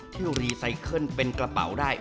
ที่รีไซเคิลเป็นกระเป๋าได้